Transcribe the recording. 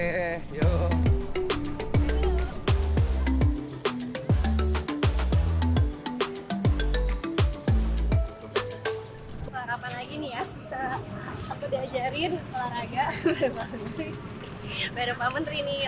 pak rapan lagi nih ya